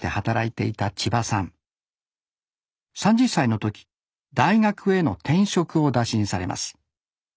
３０歳の時大学への転職を打診されます。